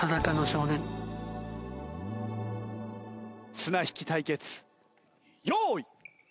綱引き対決用意。